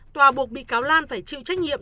tòa buộc bị cáo lan phải chịu trách nhiệm